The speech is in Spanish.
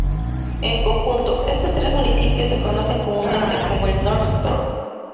En conjunto, estos tres municipios se conocen comúnmente como el "North Shore".